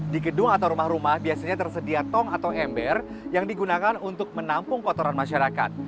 di gedung atau rumah rumah biasanya tersedia tong atau ember yang digunakan untuk menampung kotoran masyarakat